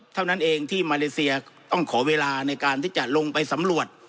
เท่านั้นเองที่มาเลเซียต้องขอเวลาในการที่จะลงไปสำรวจ